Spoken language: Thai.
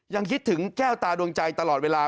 คิดถึงแก้วตาดวงใจตลอดเวลา